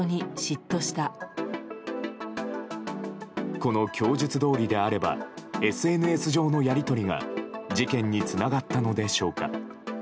この供述どおりであればＳＮＳ上のやり取りが事件につながったのでしょうか。